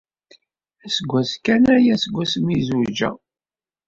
Aseggas kan aya seg wasmi ay zewjeɣ.